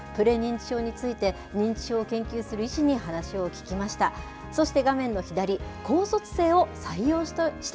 プレ認知症について、認知症を研究する医師に話を聞きました。